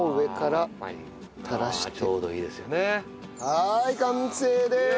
はい完成です！